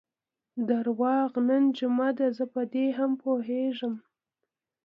درواغ، نن جمعه ده، زه په دې هم پوهېږم.